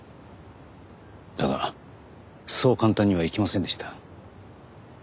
だがそう簡単にはいきませんでした。